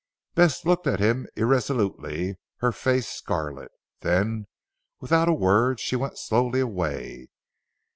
Bess looked at him irresolutely, her face scarlet. Then without a word she went slowly away.